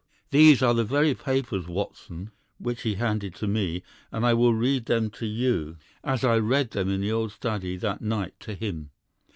"These are the very papers, Watson, which he handed to me, and I will read them to you, as I read them in the old study that night to him.